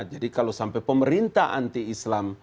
jadi kalau sampai pemerintah anti islam